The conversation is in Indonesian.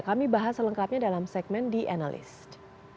kami bahas selengkapnya dalam segmen the analyst